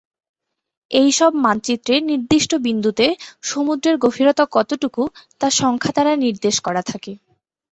এইসব মানচিত্রে নির্দিষ্ট বিন্দুতে সমুদ্রের গভীরতা কতটুকু, তা সংখ্যা দ্বারা নির্দেশ করা থাকে।